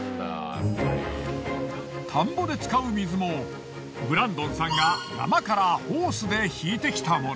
田んぼで使う水もブランドンさんが山からホースで引いてきたもの。